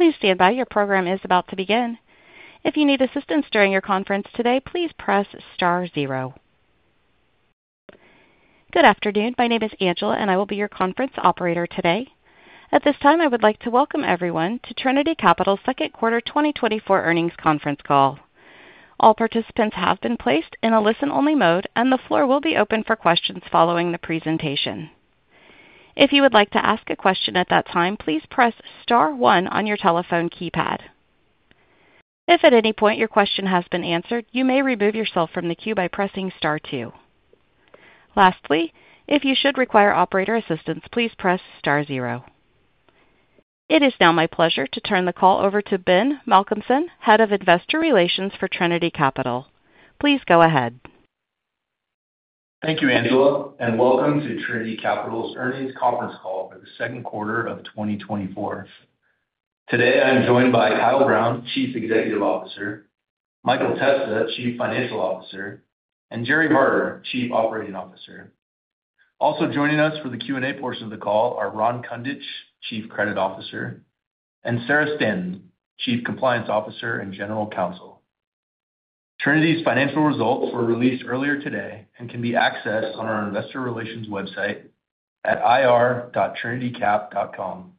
Please stand by. Your program is about to begin. If you need assistance during your conference today, please press star zero. Good afternoon. My name is Angela, and I will be your conference operator today. At this time, I would like to welcome everyone to Trinity Capital's second quarter 2024 earnings conference call. All participants have been placed in a listen-only mode, and the floor will be open for questions following the presentation. If you would like to ask a question at that time, please press star one on your telephone keypad. If at any point your question has been answered, you may remove yourself from the queue by pressing star two. Lastly, if you should require operator assistance, please press star zero. It is now my pleasure to turn the call over to Ben Malcolmson, Head of Investor Relations for Trinity Capital. Please go ahead. Thank you, Angela, and welcome to Trinity Capital's earnings conference call for the second quarter of 2024. Today, I am joined by Kyle Brown, Chief Executive Officer, Michael Testa, Chief Financial Officer, and Gerry Harder, Chief Operating Officer. Also joining us for the Q&A portion of the call are Ron Kundich, Chief Credit Officer, and Sarah Stanton, Chief Compliance Officer and General Counsel. Trinity's financial results were released earlier today and can be accessed on our investor relations website at ir.trinitycap.com.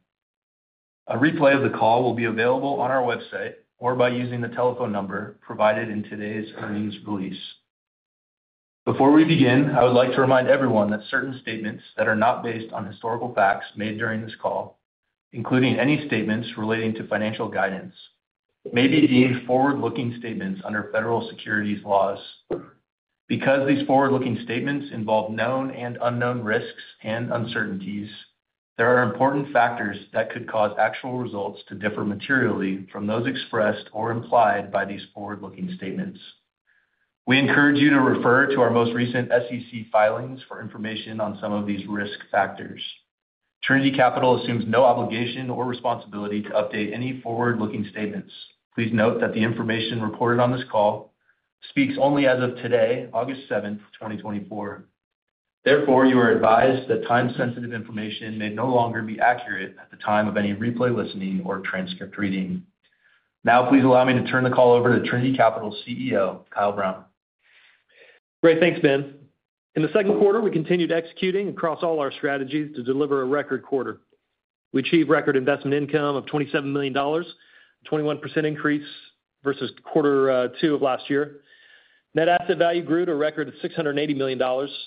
A replay of the call will be available on our website or by using the telephone number provided in today's earnings release. Before we begin, I would like to remind everyone that certain statements that are not based on historical facts made during this call, including any statements relating to financial guidance, may be deemed forward-looking statements under federal securities laws. Because these forward-looking statements involve known and unknown risks and uncertainties, there are important factors that could cause actual results to differ materially from those expressed or implied by these forward-looking statements. We encourage you to refer to our most recent SEC filings for information on some of these risk factors. Trinity Capital assumes no obligation or responsibility to update any forward-looking statements. Please note that the information reported on this call speaks only as of today, August 7, 2024. Therefore, you are advised that time-sensitive information may no longer be accurate at the time of any replay listening or transcript reading. Now, please allow me to turn the call over to Trinity Capital's CEO, Kyle Brown. Great. Thanks, Ben. In the second quarter, we continued executing across all our strategies to deliver a record quarter. We achieved record investment income of $27 million, 21% increase versus quarter two of last year. Net asset value grew to a record of $680 million,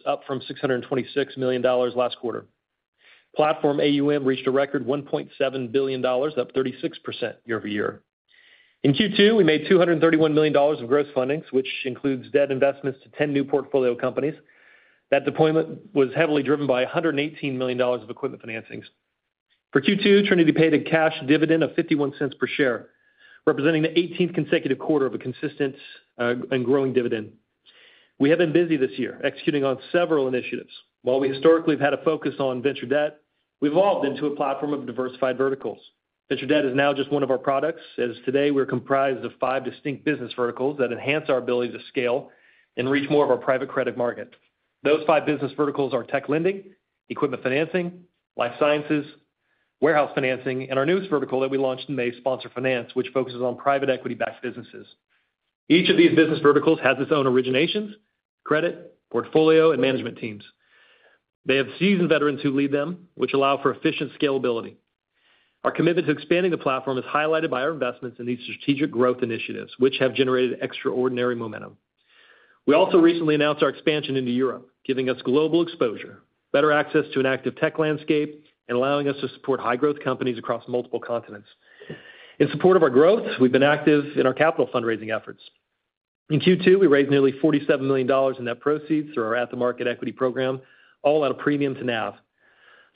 up from $626 million last quarter. Platform AUM reached a record $1.7 billion, up 36% year-over-year. In Q2, we made $231 million of gross fundings, which includes debt investments to 10 new portfolio companies. That deployment was heavily driven by $118 million of equipment financings. For Q2, Trinity paid a cash dividend of $0.51 per share, representing the 18th consecutive quarter of a consistent, and growing dividend. We have been busy this year, executing on several initiatives. While we historically have had a focus on venture debt, we've evolved into a platform of diversified verticals. Venture debt is now just one of our products, as today we're comprised of five distinct business verticals that enhance our ability to scale and reach more of our private credit market. Those five business verticals are tech lending, equipment financing, life sciences, warehouse financing, and our newest vertical that we launched in May, sponsor finance, which focuses on private equity-backed businesses. Each of these business verticals has its own originations, credit, portfolio, and management teams. They have seasoned veterans who lead them, which allow for efficient scalability. Our commitment to expanding the platform is highlighted by our investments in these strategic growth initiatives, which have generated extraordinary momentum. We also recently announced our expansion into Europe, giving us global exposure, better access to an active tech landscape, and allowing us to support high-growth companies across multiple continents. In support of our growth, we've been active in our capital fundraising efforts. In Q2, we raised nearly $47 million in net proceeds through our at-the-market equity program, all at a premium to NAV.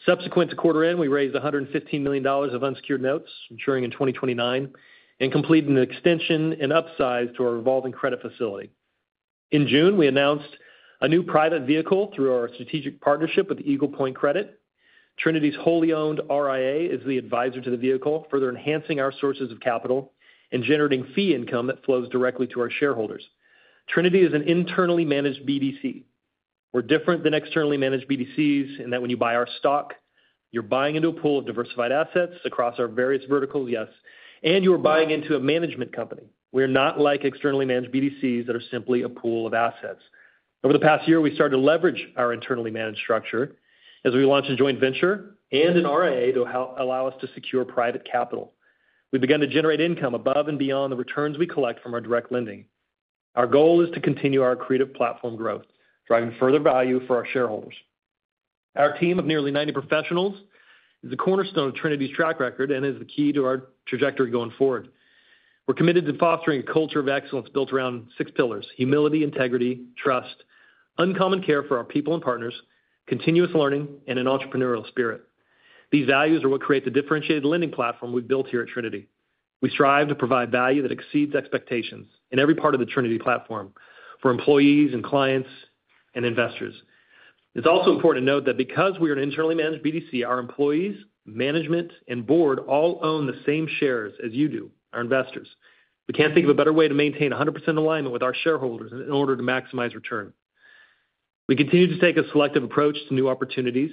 Subsequent to quarter end, we raised $115 million of unsecured notes, maturing in 2029, and completed an extension and upsize to our revolving credit facility. In June, we announced a new private vehicle through our strategic partnership with Eagle Point Credit. Trinity's wholly owned RIA is the advisor to the vehicle, further enhancing our sources of capital and generating fee income that flows directly to our shareholders. Trinity is an internally managed BDC. We're different than externally managed BDCs in that when you buy our stock, you're buying into a pool of diversified assets across our various verticals, yes, and you are buying into a management company. We are not like externally managed BDCs that are simply a pool of assets. Over the past year, we started to leverage our internally managed structure as we launched a joint venture and an RIA to allow us to secure private capital. We've begun to generate income above and beyond the returns we collect from our direct lending. Our goal is to continue our accretive platform growth, driving further value for our shareholders. Our team of nearly 90 professionals is a cornerstone of Trinity's track record and is the key to our trajectory going forward. We're committed to fostering a culture of excellence built around six pillars: humility, integrity, trust, uncommon care for our people and partners, continuous learning, and an entrepreneurial spirit. These values are what create the differentiated lending platform we've built here at Trinity. We strive to provide value that exceeds expectations in every part of the Trinity platform for employees and clients and investors. It's also important to note that because we are an internally managed BDC, our employees, management, and board all own the same shares as you do, our investors. We can't think of a better way to maintain 100% alignment with our shareholders in order to maximize return. We continue to take a selective approach to new opportunities.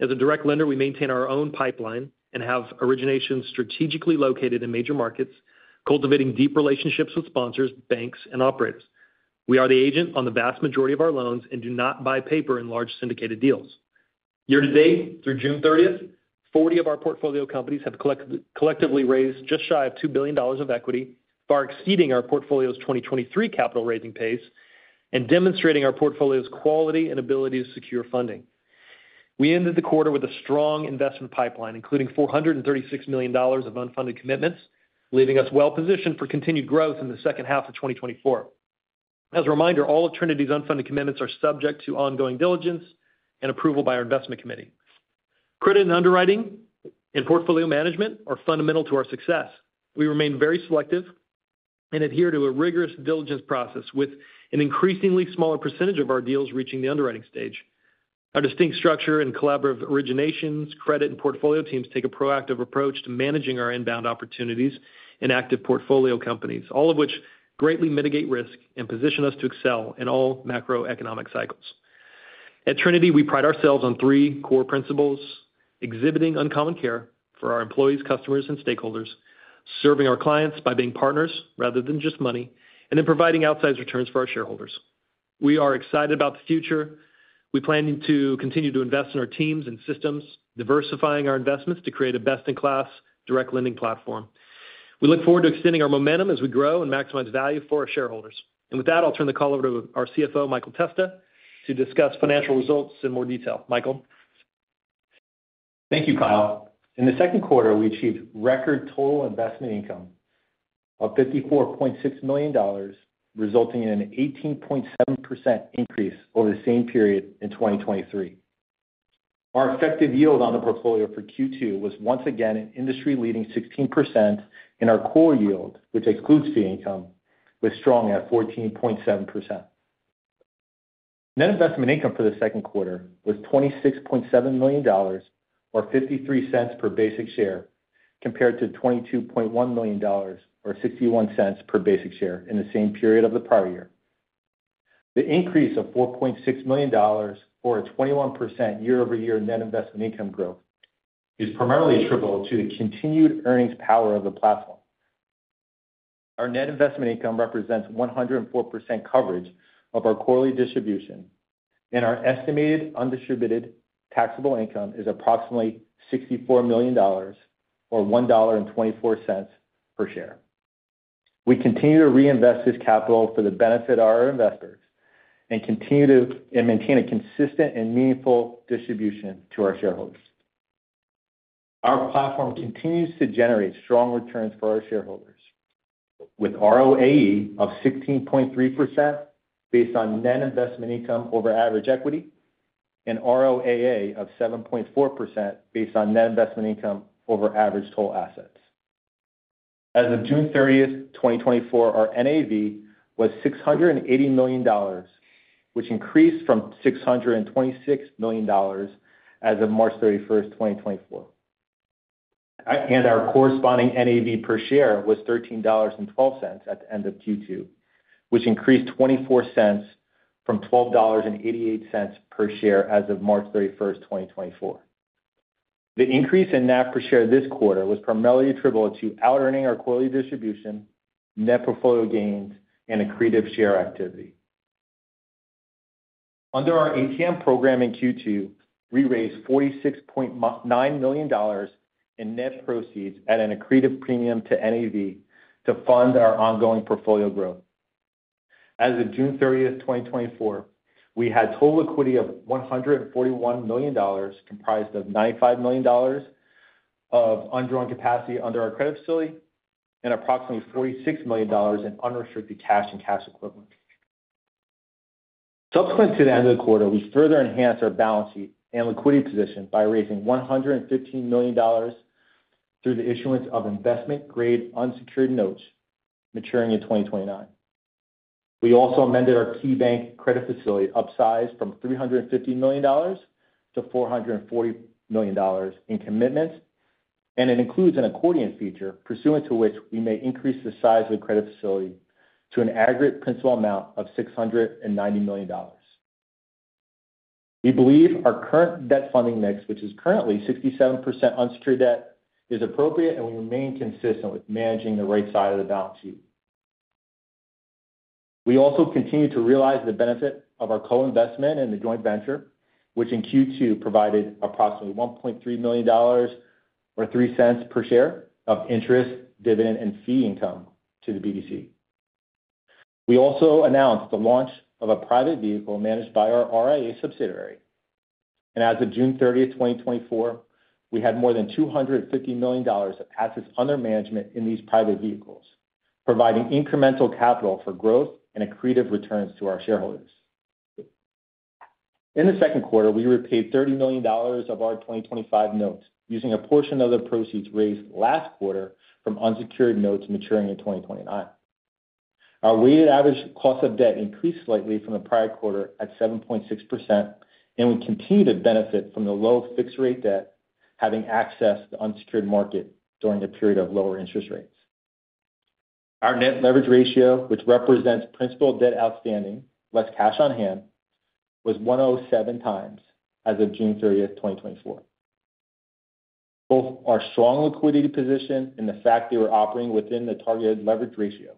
As a direct lender, we maintain our own pipeline and have origination strategically located in major markets, cultivating deep relationships with sponsors, banks, and operators. We are the agent on the vast majority of our loans and do not buy paper in large syndicated deals. Year-to-date, through June 30th, 40 of our portfolio companies have collectively raised just shy of $2 billion of equity, far exceeding our portfolio's 2023 capital raising pace and demonstrating our portfolio's quality and ability to secure funding. We ended the quarter with a strong investment pipeline, including $436 million of unfunded commitments, leaving us well-positioned for continued growth in the second half of 2024. As a reminder, all of Trinity's unfunded commitments are subject to ongoing diligence and approval by our investment committee. Credit and underwriting and portfolio management are fundamental to our success. We remain very selective and adhere to a rigorous diligence process, with an increasingly smaller percentage of our deals reaching the underwriting stage. Our distinct structure and collaborative originations, credit, and portfolio teams take a proactive approach to managing our inbound opportunities and active portfolio companies, all of which greatly mitigate risk and position us to excel in all macroeconomic cycles. At Trinity, we pride ourselves on three core principles: exhibiting uncommon care for our employees, customers, and stakeholders, serving our clients by being partners rather than just money, and then providing outsized returns for our shareholders. We are excited about the future. We're planning to continue to invest in our teams and systems, diversifying our investments to create a best-in-class direct lending platform. We look forward to extending our momentum as we grow and maximize value for our shareholders. And with that, I'll turn the call over to our CFO, Michael Testa, to discuss financial results in more detail. Michael? Thank you, Kyle. In the second quarter, we achieved record total investment income of $54.6 million, resulting in an 18.7% increase over the same period in 2023. Our effective yield on the portfolio for Q2 was once again an industry-leading 16%, and our core yield, which excludes fee income, was strong at 14.7%. Net investment income for the second quarter was $26.7 million, or $0.53 per basic share, compared to $22.1 million, or $0.61 per basic share in the same period of the prior year. The increase of $4.6 million, or a 21% year-over-year net investment income growth, is primarily attributable to the continued earnings power of the platform. Our net investment income represents 104% coverage of our quarterly distribution, and our estimated undistributed taxable income is approximately $64 million, or $1.24 per share. We continue to reinvest this capital for the benefit of our investors and continue to and maintain a consistent and meaningful distribution to our shareholders. Our platform continues to generate strong returns for our shareholders, with ROAE of 16.3% based on net investment income over average equity, and ROAA of 7.4% based on net investment income over average total assets. As of June 30, 2024, our NAV was $680 million, which increased from $626 million as of March 31, 2024. And our corresponding NAV per share was $13.12 at the end of Q2, which increased 24 cents from $12.88 per share as of March 31, 2024. The increase in NAV per share this quarter was primarily attributable to outearning our quarterly distribution, net portfolio gains, and accretive share activity. Under our ATM program in Q2, we raised $46.9 million in net proceeds at an accretive premium to NAV to fund our ongoing portfolio growth. As of June 30, 2024, we had total liquidity of $141 million, comprised of $95 million of undrawn capacity under our credit facility and approximately $46 million in unrestricted cash and cash equivalents. Subsequent to the end of the quarter, we further enhanced our balance sheet and liquidity position by raising $115 million through the issuance of investment-grade unsecured notes maturing in 2029. We also amended our KeyBank credit facility, upsized from $350 million to $440 million in commitments, and it includes an accordion feature pursuant to which we may increase the size of the credit facility to an aggregate principal amount of $690 million. We believe our current debt funding mix, which is currently 67% unsecured debt, is appropriate, and we remain consistent with managing the right side of the balance sheet. We also continue to realize the benefit of our co-investment in the joint venture, which in Q2 provided approximately $1.3 million or $0.03 per share of interest, dividend, and fee income to the BDC. We also announced the launch of a private vehicle managed by our RIA subsidiary. As of June 30, 2024, we had more than $250 million of assets under management in these private vehicles, providing incremental capital for growth and accretive returns to our shareholders. In the second quarter, we repaid $30 million of our 2025 notes, using a portion of the proceeds raised last quarter from unsecured notes maturing in 2029. Our weighted average cost of debt increased slightly from the prior quarter at 7.6%, and we continue to benefit from the low fixed-rate debt, having accessed the unsecured market during the period of lower interest rates. Our net leverage ratio, which represents principal debt outstanding, less cash on hand, was 1.07x as of June 30, 2024. Both our strong liquidity position and the fact that we're operating within the targeted leverage ratio,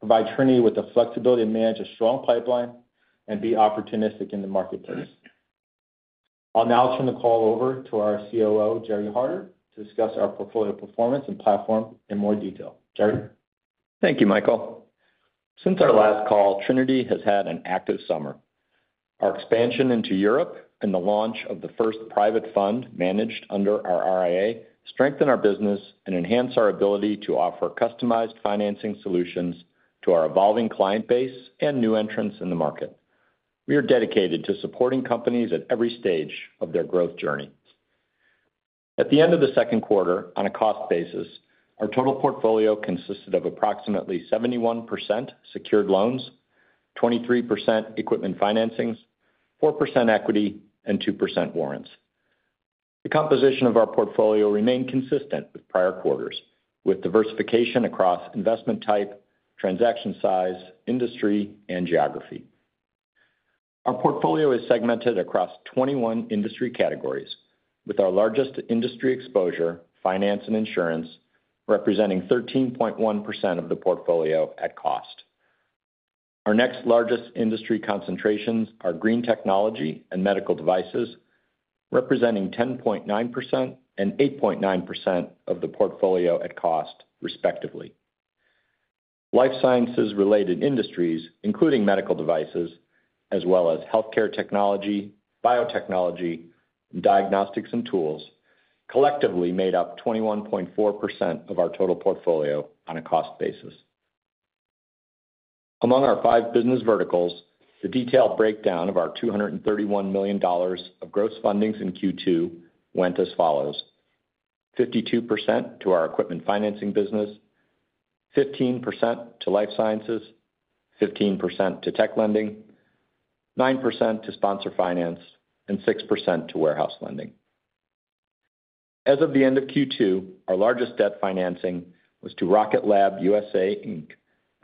provide Trinity with the flexibility to manage a strong pipeline and be opportunistic in the marketplace. I'll now turn the call over to our COO, Gerry Harder, to discuss our portfolio performance and platform in more detail. Gerry? Thank you, Michael. Since our last call, Trinity has had an active summer. Our expansion into Europe and the launch of the first private fund managed under our RIA, strengthen our business and enhance our ability to offer customized financing solutions to our evolving client base and new entrants in the market. We are dedicated to supporting companies at every stage of their growth journey. At the end of the second quarter, on a cost basis, our total portfolio consisted of approximately 71% secured loans, 23% equipment financings, 4% equity, and 2% warrants. The composition of our portfolio remained consistent with prior quarters, with diversification across investment type, transaction size, industry, and geography. Our portfolio is segmented across 21 industry categories, with our largest industry exposure, finance and insurance, representing 13.1% of the portfolio at cost. Our next largest industry concentrations are green technology and medical devices, representing 10.9% and 8.9% of the portfolio at cost, respectively. Life sciences related industries, including medical devices, as well as healthcare technology, biotechnology, diagnostics and tools, collectively made up 21.4% of our total portfolio on a cost basis. Among our five business verticals, the detailed breakdown of our $231 million of gross fundings in Q2 went as follows: 52% to our equipment financing business, 15% to life sciences, 15% to tech lending, 9% to sponsor finance, and 6% to warehouse lending. As of the end of Q2, our largest debt financing was to Rocket Lab USA, Inc.,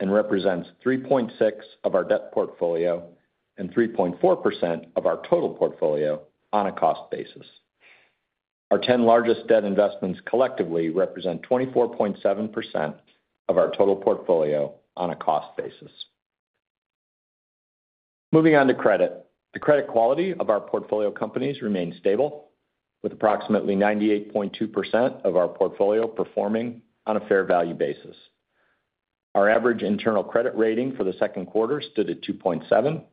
and represents 3.6% of our debt portfolio and 3.4% of our total portfolio on a cost basis. Our 10 largest debt investments collectively represent 24.7% of our total portfolio on a cost basis. Moving on to credit. The credit quality of our portfolio companies remains stable, with approximately 98.2% of our portfolio performing on a fair value basis. Our average internal credit rating for the second quarter stood at 2.7,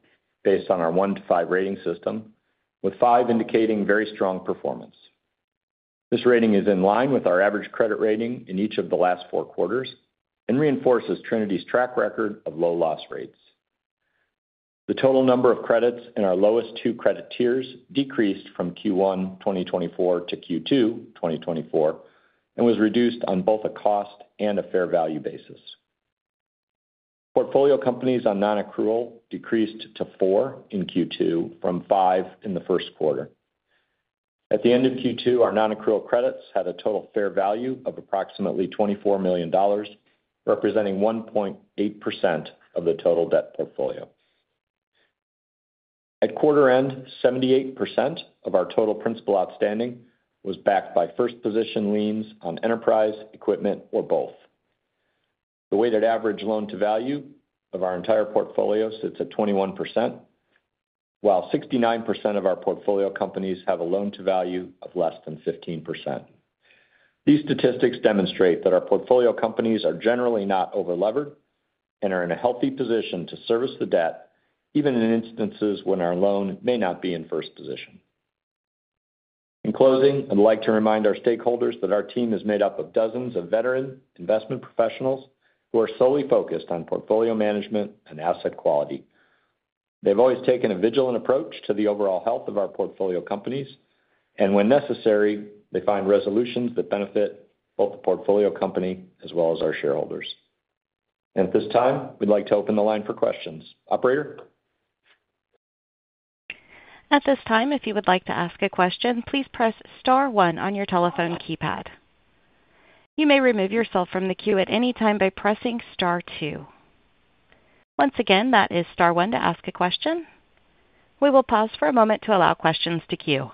based on our 1 to 5 rating system, with 5 indicating very strong performance. This rating is in line with our average credit rating in each of the last four quarters and reinforces Trinity's track record of low loss rates. The total number of credits in our lowest two credit tiers decreased from Q1 2024 to Q2 2024, and was reduced on both a cost and a fair value basis. Portfolio companies on non-accrual decreased to 4 in Q2 from 5 in the first quarter. At the end of Q2, our non-accrual credits had a total fair value of approximately $24 million, representing 1.8% of the total debt portfolio. At quarter end, 78% of our total principal outstanding was backed by first position liens on enterprise, equipment, or both. The weighted average loan-to-value of our entire portfolio sits at 21%, while 69% of our portfolio companies have a loan-to-value of less than 15%. These statistics demonstrate that our portfolio companies are generally not overlevered and are in a healthy position to service the debt, even in instances when our loan may not be in first position. In closing, I'd like to remind our stakeholders that our team is made up of dozens of veteran investment professionals, who are solely focused on portfolio management and asset quality. They've always taken a vigilant approach to the overall health of our portfolio companies, and when necessary, they find resolutions that benefit both the portfolio company as well as our shareholders. At this time, we'd like to open the line for questions. Operator? At this time, if you would like to ask a question, please press star one on your telephone keypad. You may remove yourself from the queue at any time by pressing star two. Once again, that is star one to ask a question. We will pause for a moment to allow questions to queue.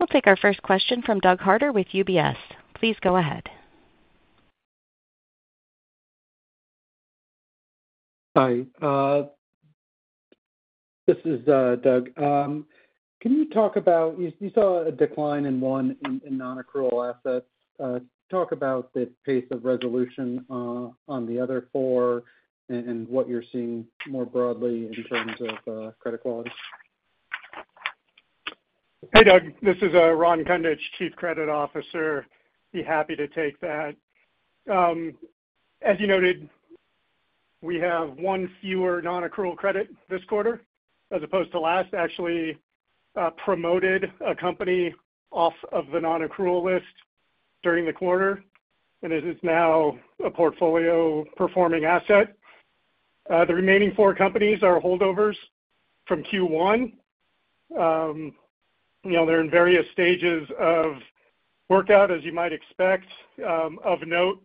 We'll take our first question from Doug Harter with UBS. Please go ahead. Hi, this is Doug. Can you talk about you saw a decline in one in non-accrual assets. Talk about the pace of resolution on the other four and what you're seeing more broadly in terms of credit quality. Hey, Doug, this is Ron Kundich, Chief Credit Officer. Be happy to take that. As you noted, we have one fewer non-accrual credit this quarter, as opposed to last, actually, promoted a company off of the non-accrual list during the quarter, and it is now a portfolio-performing asset. The remaining four companies are holdovers from Q1. You know, they're in various stages of workout, as you might expect. Of note,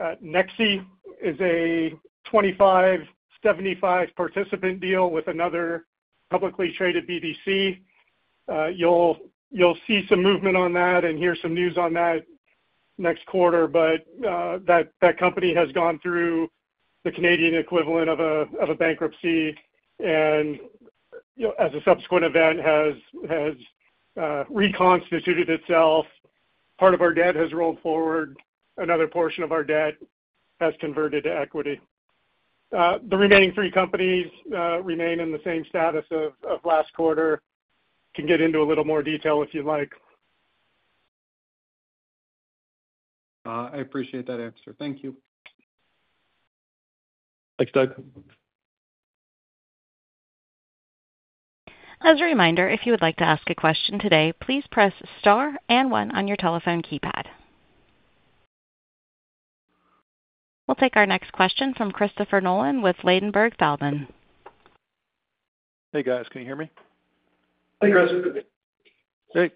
Nexii is a 25/75 participant deal with another publicly traded BDC. You'll see some movement on that and hear some news on that next quarter, but that company has gone through the Canadian equivalent of a bankruptcy, and, you know, as a subsequent event, has reconstituted itself. Part of our debt has rolled forward. Another portion of our debt has converted to equity. The remaining three companies remain in the same status of last quarter. Can get into a little more detail if you'd like. I appreciate that answer. Thank you. Thanks, Doug. As a reminder, if you would like to ask a question today, please press star and one on your telephone keypad. We'll take our next question from Christopher Nolan with Ladenburg Thalmann. Hey, guys, can you hear me? Hey, Chris. Great.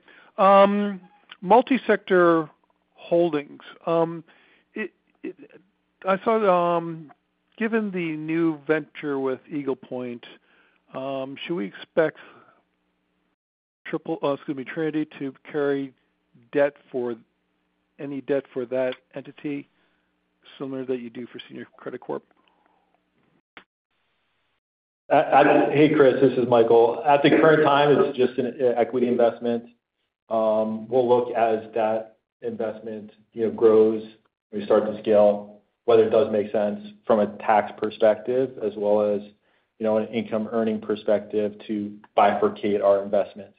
Multi-sector holdings. I thought, given the new venture with Eagle Point, should we expect triple, excuse me, Trinity to carry debt for any debt for that entity, similar that you do for Senior Credit Corp? Hey, Chris, this is Michael. At the current time, it's just an equity investment. We'll look at that investment, you know, grows, we start to scale, whether it does make sense from a tax perspective as well as, you know, an income earning perspective to bifurcate our investments.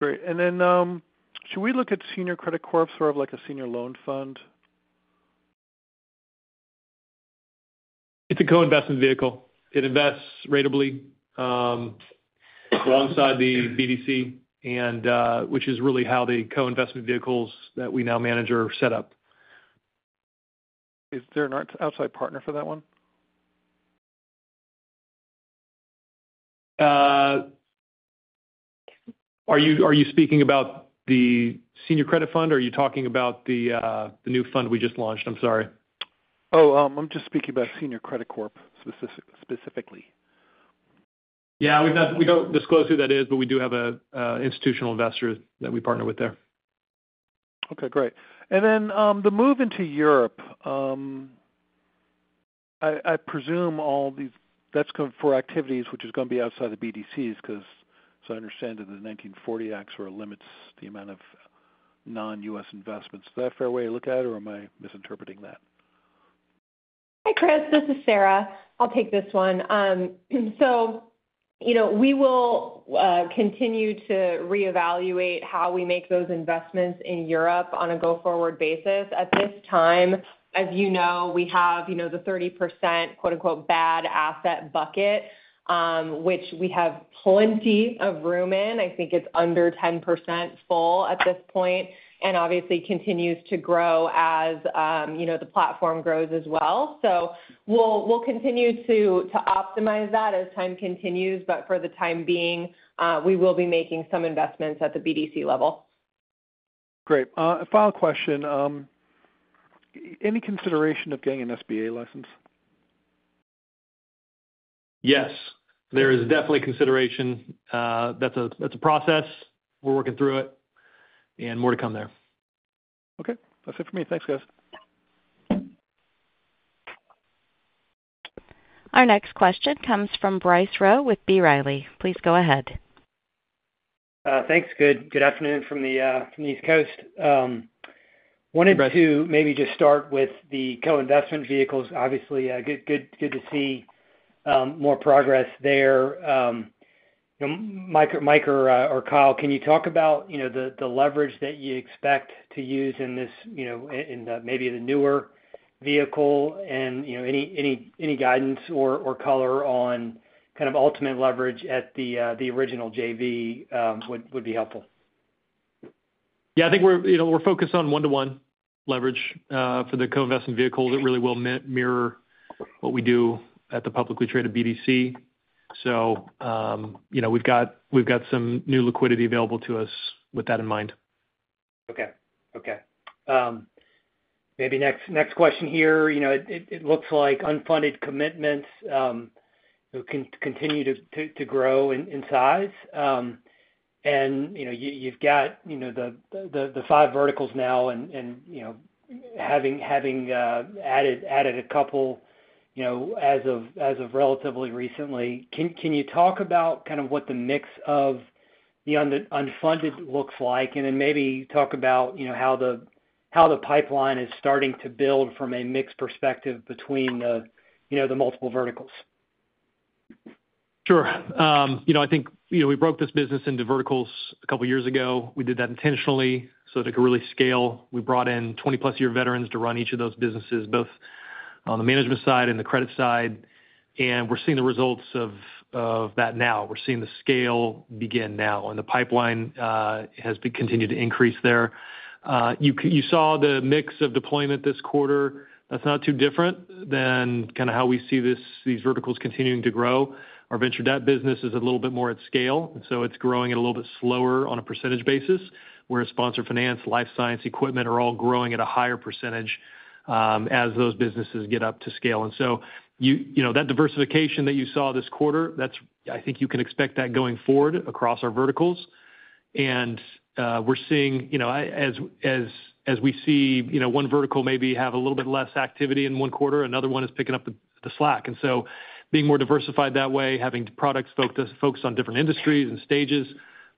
Great. And then, should we look at Senior Credit Corp sort of like a senior loan fund? It's a co-investment vehicle. It invests ratably alongside the BDC, and which is really how the co-investment vehicles that we now manage are set up. Is there an outside partner for that one? Are you speaking about the senior credit fund, or are you talking about the new fund we just launched? I'm sorry. Oh, I'm just speaking about Senior Credit Corp, specifically. Yeah, we don't disclose who that is, but we do have an institutional investor that we partner with there. Okay, great. Then, the move into Europe, I presume all these, that's come from activities, which is gonna be outside the BDCs, 'cause so I understand that the 1940 Act limits the amount of non-U.S. investments. Is that a fair way to look at, or am I misinterpreting that? Hi, Chris, this is Sarah. I'll take this one. So, you know, we will continue to reevaluate how we make those investments in Europe on a go-forward basis. At this time, as you know, we have, you know, the 30%, quote-unquote, "bad asset bucket," which we have plenty of room in. I think it's under 10% full at this point, and obviously continues to grow as, you know, the platform grows as well. So we'll continue to optimize that as time continues, but for the time being, we will be making some investments at the BDC level. Great. Final question, any consideration of getting an SBA license? Yes. There is definitely consideration. That's a process. We're working through it, and more to come there. Okay. That's it for me. Thanks, guys. Our next question comes from Bryce Rowe with B. Riley. Please go ahead. Thanks. Good afternoon from the East Coast. Wanted to maybe just start with the co-investment vehicles. Obviously, good to see more progress there. You know, Mike or Kyle, can you talk about, you know, the leverage that you expect to use in this, you know, in the maybe the newer vehicle and, you know, any guidance or color on kind of ultimate leverage at the original JV, would be helpful. Yeah, I think we're, you know, we're focused on 1:1 leverage for the co-investment vehicle. It really will mirror what we do at the publicly traded BDC. So, you know, we've got, we've got some new liquidity available to us with that in mind. Okay, okay. Maybe next question here, you know, it looks like unfunded commitments continue to grow in size. And, you know, you've got, you know, the five verticals now and, you know, having added a couple, you know, as of relatively recently. Can you talk about kind of what the mix of the unfunded looks like, and then maybe talk about, you know, how the pipeline is starting to build from a mix perspective between the multiple verticals? Sure. You know, I think, you know, we broke this business into verticals a couple of years ago. We did that intentionally, so it could really scale. We brought in 20-plus-year veterans to run each of those businesses, both on the management side and the credit side, and we're seeing the results of, of that now. We're seeing the scale begin now, and the pipeline has been continued to increase there. You saw the mix of deployment this quarter. That's not too different than kinda how we see this, these verticals continuing to grow. Our venture debt business is a little bit more at scale, and so it's growing at a little bit slower on a percentage basis, whereas sponsor finance, life science, equipment are all growing at a higher percentage as those businesses get up to scale. And so you, you know, that diversification that you saw this quarter, that's. I think you can expect that going forward across our verticals. We're seeing, you know, as we see, you know, one vertical maybe have a little bit less activity in one quarter, another one is picking up the slack. So being more diversified that way, having products focused on different industries and stages,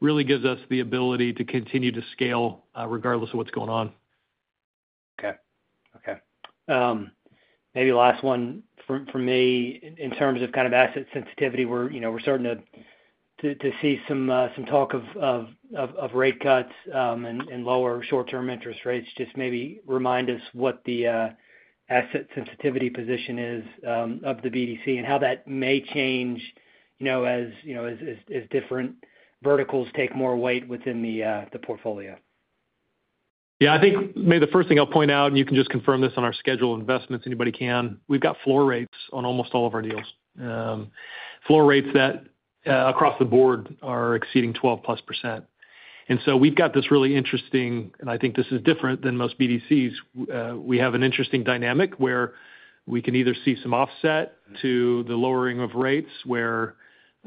really gives us the ability to continue to scale, regardless of what's going on. Okay. Okay. Maybe last one from me. In terms of kind of asset sensitivity, we're, you know, we're starting to see some talk of rate cuts, and lower short-term interest rates. Just maybe remind us what the asset sensitivity position is of the BDC and how that may change, you know, as you know, as different verticals take more weight within the portfolio. Yeah, I think maybe the first thing I'll point out, and you can just confirm this on our schedule of investments, anybody can. We've got floor rates on almost all of our deals. Floor rates that across the board are exceeding 12%+. And so we've got this really interesting, and I think this is different than most BDCs. We have an interesting dynamic where we can either see some offset to the lowering of rates, where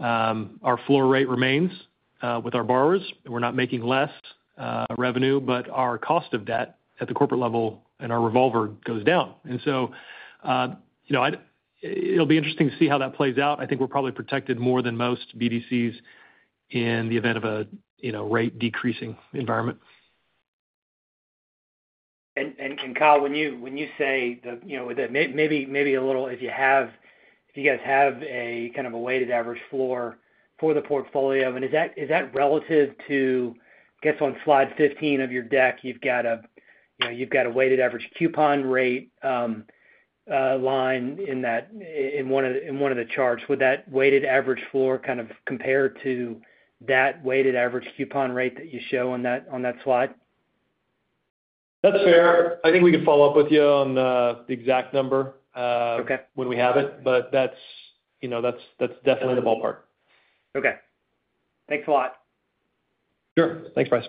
our floor rate remains with our borrowers, and we're not making less revenue, but our cost of debt at the corporate level and our revolver goes down. And so, you know, it'll be interesting to see how that plays out. I think we're probably protected more than most BDCs in the event of a, you know, rate decreasing environment. Kyle, when you say the, you know, that maybe a little... If you guys have a kind of a weighted average floor for the portfolio, I mean, is that relative to, I guess, on slide 15 of your deck, you've got a, you know, you've got a weighted average coupon rate line in that, in one of the charts. Would that weighted average floor kind of compare to that weighted average coupon rate that you show on that slide? That's fair. I think we can follow up with you on the exact number. Okay. - when we have it, but that's, you know, that's, that's definitely the ballpark. Okay. Thanks a lot. Sure. Thanks, Bryce.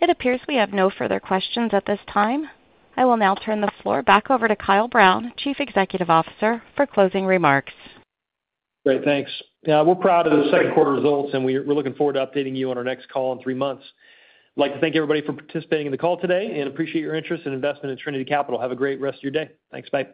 It appears we have no further questions at this time. I will now turn the floor back over to Kyle Brown, Chief Executive Officer, for closing remarks. Great, thanks. Yeah, we're proud of the second quarter results, and we're looking forward to updating you on our next call in three months. I'd like to thank everybody for participating in the call today, and appreciate your interest and investment in Trinity Capital. Have a great rest of your day. Thanks, bye.